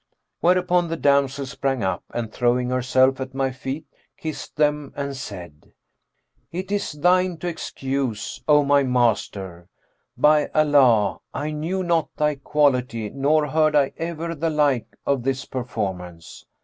'[FN#410] Whereupon the damsel sprang up and throwing herself at my feet, kissed them and said, 'It is thine to excuse, O my Master! By Allah, I knew not thy quality nor heard I ever the like of this performance!'